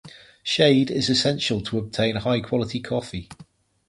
Shade is essential to obtain high quality coffee.